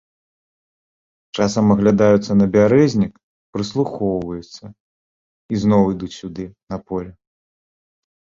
Часам аглядаюцца на бярэзнік, прыслухоўваюцца і зноў ідуць сюды, на поле.